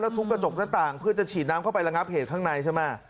ทุบกระจกหน้าต่างเพื่อจะฉีดน้ำเข้าไประงับเหตุข้างในใช่ไหม